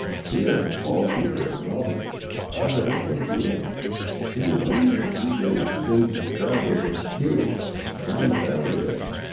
" Here all the people are robbers Hace pocos dias — it is only a few days since a traveler was killed down in the valley there.